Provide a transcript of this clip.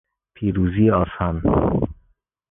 پیروزی آسان